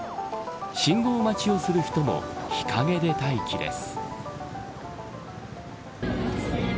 信号待ちをする人も日陰で待機です。